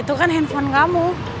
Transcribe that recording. itu kan handphone kamu